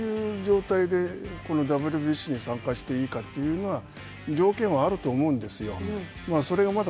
エンジェルスとの契約の中でどういう状態でこのＷＢＣに参加していいかというのは条件はあると思うんですよ。